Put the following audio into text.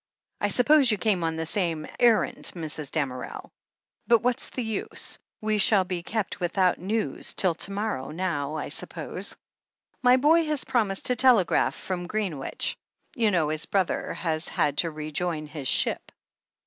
I suppose you came on the same errand, Mrs. Damerel ? But what's the use — we shall be kept without news till to morrow now, I suppose. My boy has promised to telegraph from Greenwich. You know his brother has had to rejoin his ship?"